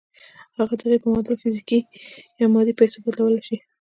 هغه د هغې په معادل فزيکي يا مادي پيسو بدلولای شئ.